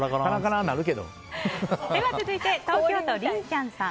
続いて、東京都の方。